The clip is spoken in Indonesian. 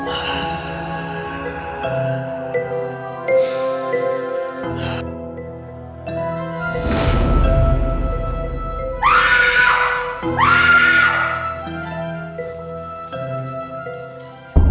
apa lagi yang kau rencanakan